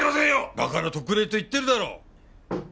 だから特例と言ってるだろう。